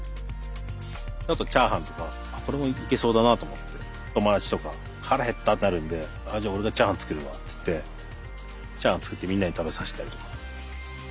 あとチャーハンとかこれもいけそうだなと思って友達とか腹減ったってなるんでじゃあ俺がチャーハン作るわっつってチャーハン作ってみんなに食べさせたりとか。